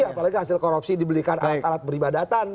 apalagi hasil korupsi dibelikan alat alat peribadatan